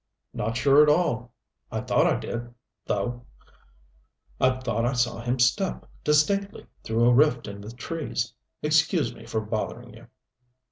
"Not sure at all. I thought I did, though. I thought I saw him step, distinctly, through a rift in the trees. Excuse me for bothering you."